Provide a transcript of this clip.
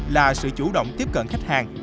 là sự chủ động tiếp cận khách hàng